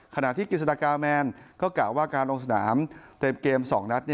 ขณะที่กิจสดากาแมนก็กล่าวว่าการลงสนามเต็มเกม๒นัด